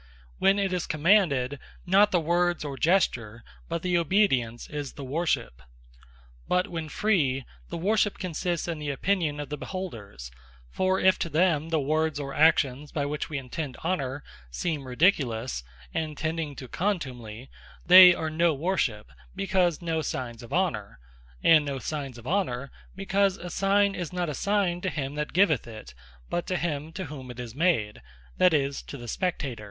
When it is Commanded, not the words, or gestures, but the obedience is the Worship. But when Free, the Worship consists in the opinion of the beholders: for if to them the words, or actions by which we intend honour, seem ridiculous, and tending to contumely; they are not Worship; because a signe is not a signe to him that giveth it, but to him to whom it is made; that is, to the spectator.